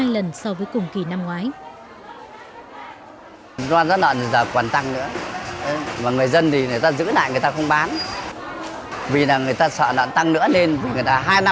hai lần so với cùng kỳ năm ngoái